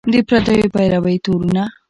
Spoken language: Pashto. د پردیو پیروۍ تورونه